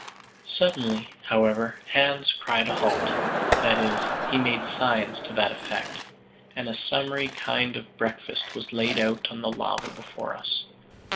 Suddenly, however, Hans cried a halt that is, he made signs to that effect and a summary kind of breakfast was laid out on the lava before us.